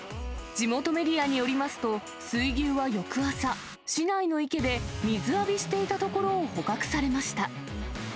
地元メディアによりますと、水牛は翌朝、市内の池で水浴びしていたところを捕獲されました。